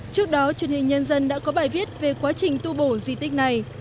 trước đó truyền hình nhân dân đã có bài viết về quá trình tu bổ di tích này